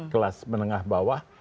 kelas menengah bawah